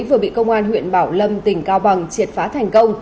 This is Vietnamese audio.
vừa bị công an huyện bảo lâm tỉnh cao bằng triệt phá thành công